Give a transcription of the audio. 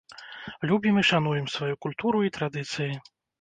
Любім і шануем сваю культуру і традыцыі.